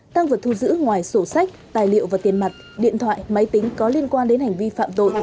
tăng vật thu giữ ngoài sổ sách tài liệu và tiền mặt điện thoại máy tính có liên quan đến hành vi phạm tội